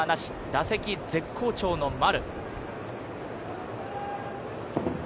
打席、絶好調の丸。